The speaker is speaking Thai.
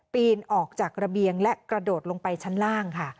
ปีนออกจากระเบียงและกระโดดลงไปชั้นล่างค่ะ